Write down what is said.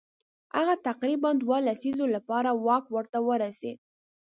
هغه تقریبا دوو لسیزو لپاره واک ورته ورسېد.